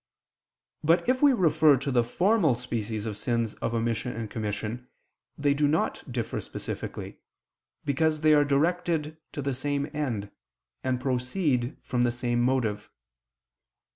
But if we refer to the formal species of sins of omission and commission, they do not differ specifically, because they are directed to the same end, and proceed from the same motive.